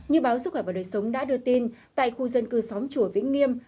như báo sức khỏe và đời sống đã đưa tin tại khu dân cư xóm chùa vĩnh nghiêm